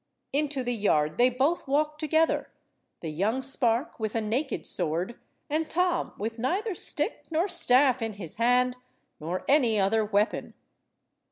Into the yard they both walk together, the young spark with a naked sword, and Tom with neither stick nor staff in his hand nor any other weapon.